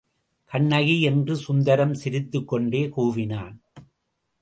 கண்ணகி! என்று சுந்தரம் சிரித்துக்கொண்டே கூவினான்.